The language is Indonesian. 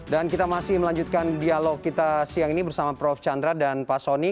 dan kita masih melanjutkan dialog kita siang ini bersama prof chandra dan pak sonny